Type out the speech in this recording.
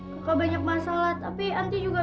kakak banyak masalah tapi nanti juga